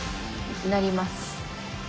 成ります。